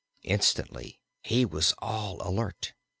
Instantly he was all alert.